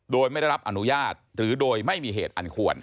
โดยไม่ได้รับอนุญาตหรือโดยไม่มีเหตุอันควร